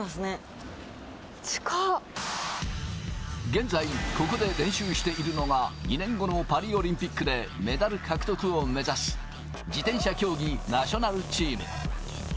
現在、ここで練習しているのが２年後のパリオリンピックでメダル獲得を目指す自転車競技ナショナルチーム。